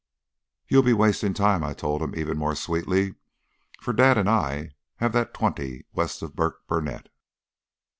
"'You'll be wasting time,' I told him, even more sweetly, 'for dad and I have that twenty west of Burkburnett.'